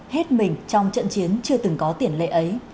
hết mình trong trận chiến chưa từng có tiền lệ ấy